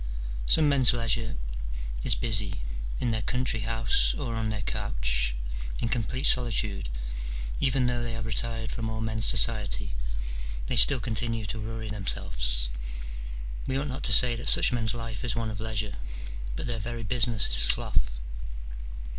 Some men's leisure is busy : in their country house or on their couch, in complete solitude, even though they have retired from all men's society, they still continue to worry themselves : we ought not to say that such men's life is one of leisure, but their very business is sloth.